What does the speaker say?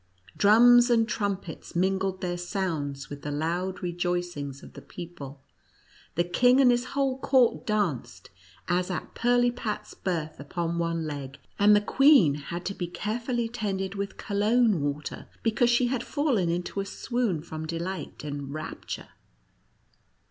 Drums and trumpets mingled their sounds with the loud rejoicings of the people. The king and his whole court danced, as at Pirlipat's birth, upon one leg ; and the queen had to be carefully tended with Cologne water, because she had fallen into a swoon from delight and rapture.